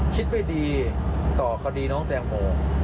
คิดไม่ดีต่อคดีน้องแตงโม